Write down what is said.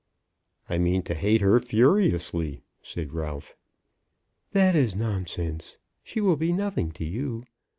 "I mean to hate her furiously," said Ralph. "That is nonsense. She will be nothing to you.